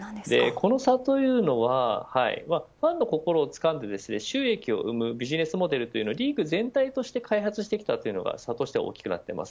この差というのはファンの心をつかんで収益を生むビジネスモデルがリーグ全体として開発してきたというのが差として大きくなっています。